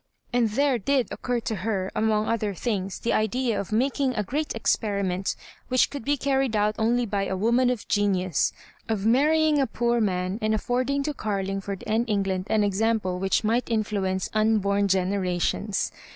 And there did occur to her, among other things, the idea of making a great Experiment which could be car ried out only by a woman of genius — of marry ing a poor man, and affording to Oarlingford and England an example which might influence un born generations.